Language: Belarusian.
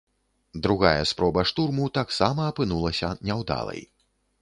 Другая спроба штурму таксама апынулася няўдалай.